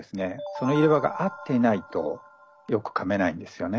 その入れ歯が合ってないとよくかめないんですよね。